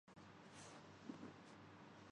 علامات